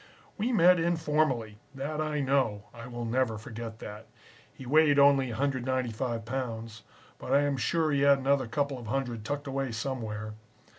"We met informally. That I know. I will never forget that. He weighed only 195 pounds, but I am sure he had another couple of hundred tucked away somewhere.